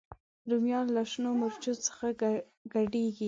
رومیان له شنو مرچو سره ګډېږي